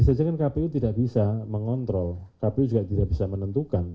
saya kira kpu tidak bisa mengontrol kpu juga tidak bisa menentukan